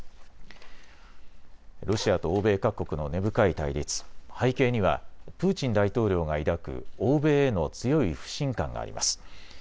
ロシアと欧米各国の根深い対立、背景にはプーチン大統領が抱く欧米への強い不信感があります。